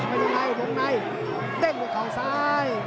ลงในลงในเตะหัวข่าวซ้าย